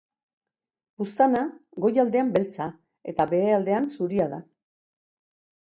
Buztana goialdean beltza, eta behealdean zuria da.